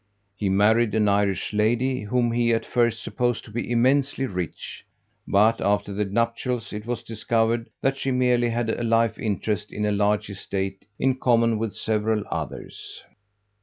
He married an Irish lady whom he at first supposed to be immensely rich, but after the nuptials it was discovered that she merely had a life interest in a large estate in common with several others.